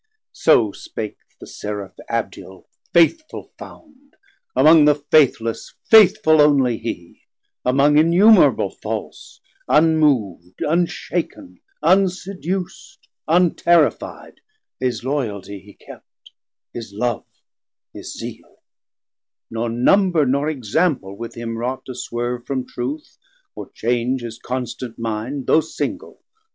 So spake the Seraph Abdiel faithful found, Among the faithless, faithful only hee; Among innumerable false, unmov'd, Unshak'n, unseduc'd, unterrifi'd His Loyaltie he kept, his Love, his Zeale; Nor number, nor example with him wrought To swerve from truth, or change his constant mind Though single.